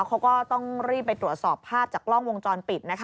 เขาก็ต้องรีบไปตรวจสอบภาพจากกล้องวงจรปิดนะคะ